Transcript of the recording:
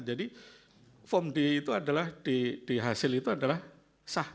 jadi form d itu adalah d hasil itu adalah sah